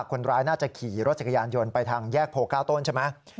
คนร้ายน่าจะขี่รถจักรยานยนต์ไปทางแยกโพ๙ต้นใช่ไหม